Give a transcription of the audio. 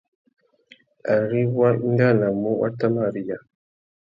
Ari wá ingānamú, wá tà mà riya.